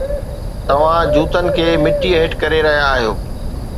توهان جوتن کي مٿي هيٺ ڪري رهيا آهيو